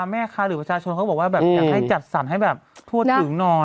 แม่ค้าหรือประชาชนเขาบอกว่าแบบอยากให้จัดสรรให้แบบทั่วถึงหน่อย